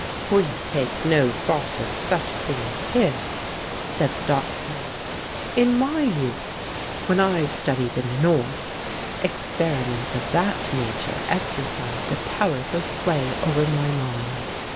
"We take no thought of such things here," said the Doctor. "In my youth, when I studied in the North, experiments of that nature exercised a powerful sway over my mind.